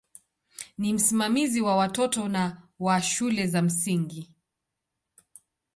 Ni msimamizi wa watoto na wa shule za msingi.